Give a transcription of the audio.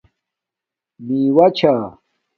میوہ چھا